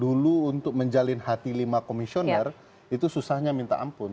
dulu untuk menjalin hati lima komisioner itu susahnya minta ampun